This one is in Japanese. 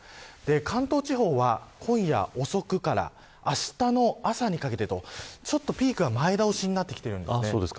関東地方は今夜遅くからあしたの朝にかけてとピークが前倒しになってきています。